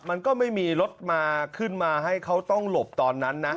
มันก็ไม่มีรถมาขึ้นมาให้เขาต้องหลบตอนนั้นนะ